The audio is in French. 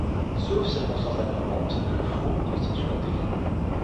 Sauf circonstance aggravante, le faux constitue un délit.